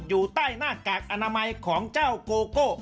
อยู่ใต้หน้ากากอนามัยของเจ้าโกโก้